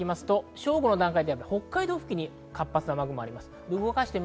正午の段階では北海道付近に活発な雨雲があります。